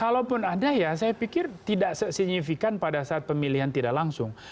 kalaupun ada ya saya pikir tidak signifikan pada saat pemilihan tidak langsung